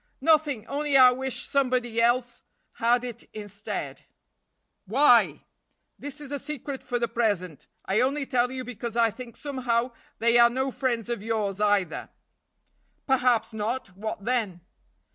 "Nothing! only I wish somebody else had it instead." "Why?" "That is a secret for the present. I only tell you because I think somehow they are no friends of yours either." "Perhaps not! what then."